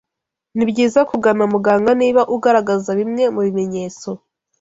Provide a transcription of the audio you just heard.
Ni byiza kugana muganga niba ugaragaza bimwe mu bimenyetso